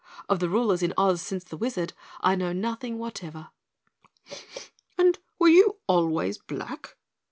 Of the rulers in Oz since the Wizard, I know nothing whatever." "And were you always black?"